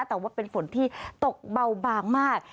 แต่ว่าเป็นฝนที่ตกเบาบางมาก